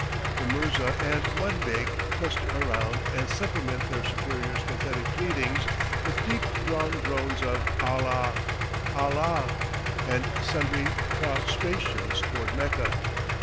The mirza and mudbake cluster around and supplement their superior's pathetic pleadings with deep drawn groans of "Allah, Allah!" and sundry prostrations toward Mecca.